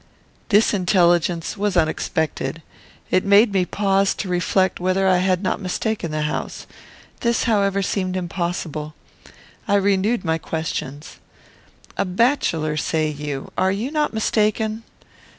This intelligence was unexpected. It made me pause to reflect whether I had not mistaken the house. This, however, seemed impossible. I renewed my questions. "A bachelor, say you? Are you not mistaken?"